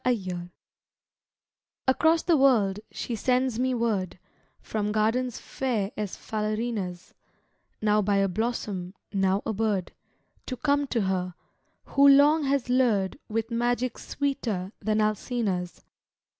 ALLUREMENT Across the world she sends me word, From gardens fair as Falerina's, Now by a blossom, now a bird, To come to her, who long has lured With magic sweeter than Alcina's.